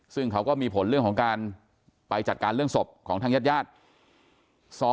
ซึ่งเขาก็มีผลเรื่องของการไปจัดการเรื่องศพของทางญาติญาติ